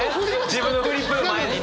自分のフリップ前にね。